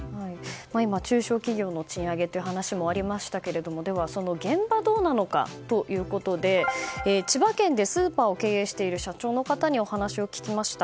今、中小企業の賃上げという話もありましたがでは、現場はどうなのかということで千葉県でスーパーを経営している社長の方にお話を聞きました。